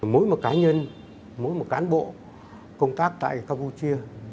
mỗi một cá nhân mỗi một cán bộ công tác tại campuchia